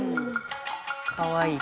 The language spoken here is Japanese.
かわいい。